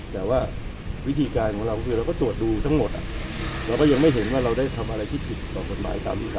แต่ว่าวิธีการของเราคือเราก็ตรวจดูทั้งหมดเราก็ยังไม่เห็นว่าเราได้ทำอะไรที่ผิดต่อกฎหมายตาม